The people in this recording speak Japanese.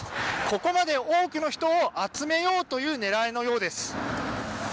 ここまで多くの人を集めようという狙いのようです。